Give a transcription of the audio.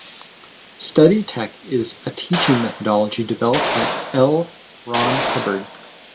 Study Tech is a teaching methodology developed by L Ron Hubbard.